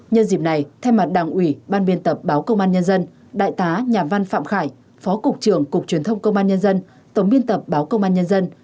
nhân dịp này thay mặt đảng ủy ban biên tập báo công an nhân dân đại tá nhà văn phạm khải phó cục trưởng cục truyền thông công an nhân dân tổng biên tập báo công an nhân dân